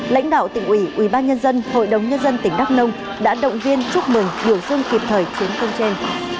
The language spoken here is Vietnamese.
lãnh đạo tỉnh ủy ubnd hội đồng nhân dân tỉnh đắk nông đã động viên chúc mừng biểu dương kịp thời chiến công trên